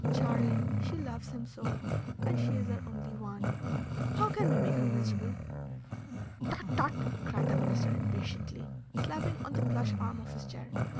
Charlie, she loves him so, and she is our only one! How can we make her miserable?" "Tut, tut!" cried the Minister impatiently, slapping on the plush arm of his chair.